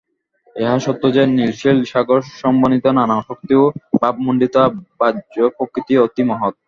ইহা সত্য যে, নীল-শৈল-সাগর-সমন্বিতা নানা শক্তি ও ভাবমণ্ডিতা বাহ্যপ্রকৃতি অতি মহৎ।